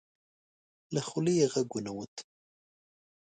له خولې یې غږ ونه وت.